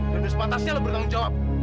dan itu sepatasnya lo bertanggung jawab